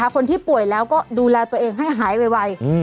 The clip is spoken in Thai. คนที่ป่วยแล้วก็ดูแลตัวเองให้หายไว